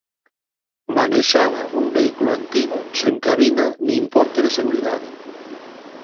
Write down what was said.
Manexaba un vehículo antigo sen cabina nin ponte de seguridade.